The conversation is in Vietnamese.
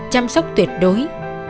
chăm sóc tuyệt đối